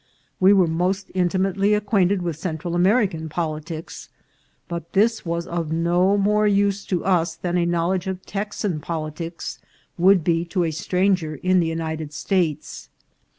We were most intimately acquaint ed with Central American politics, but this was of no more use to us than a knowledge of Texan politics would be to a stranger in the United States.